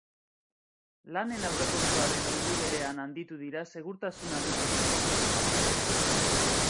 Lanen aurrekontuaren neurri berean handitu dira segurtasunari buruzko kezkak